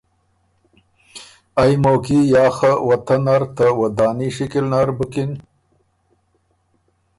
ائ موقعي یا خه وطن نر ته وداني شکِل نر بُکِن